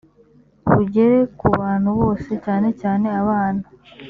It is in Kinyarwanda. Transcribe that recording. bugere ku bantu bose cyane cyane abana